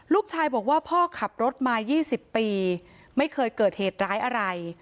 ลูกชายบอกว่าพ่อขับรถมา๒๐ปีไม่เคยเกิดเหตุร้ายอะไร